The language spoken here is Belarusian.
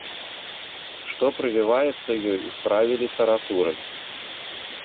Што прывіваецца ёй у справе літаратуры?